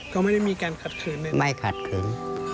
ก็ไม่ได้มีการขัดเขินเลยนะครับไม่ขัดเขิน